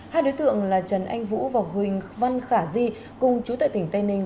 hai đối tượng là trần anh vũ và huỳnh văn khả di cùng chú tại tỉnh tây ninh